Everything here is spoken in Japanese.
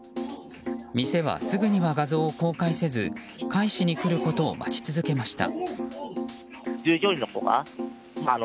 店は、すぐには画像を公開せず返しに来ることを待ち続けました。